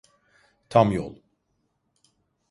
Tam yol…